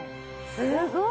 すごい！